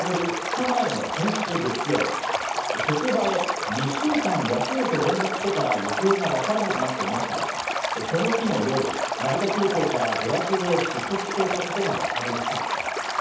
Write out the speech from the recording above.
２日前の先週月曜、職場へ、２週間休むと連絡してから行方がわからなくなっていましたが、その日の夜、成田空港からブラジルへ出国していたことがわかりました。